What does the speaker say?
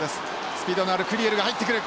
スピードのあるクリエルが入ってくる！